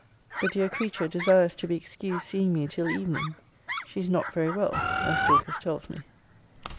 The dear creature desires to be excused seeing me till evening. She is not very well, as Dorcas tells me.